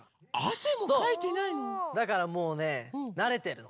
そうだからもうねなれてるの。